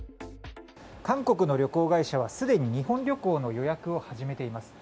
韓国の旅行会社はすでに日本旅行の予約を始めています。